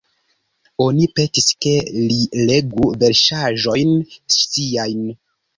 Oni petis, ke li legu versaĵojn siajn.